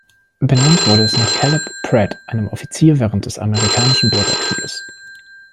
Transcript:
Benannt wurde es nach Caleb Pratt, einem Offizier während des Amerikanischen Bürgerkriegs.